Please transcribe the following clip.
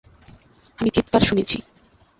আমি চিৎকার শুনেছি।